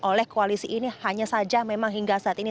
oleh koalisi ini hanya saja memang hingga saat ini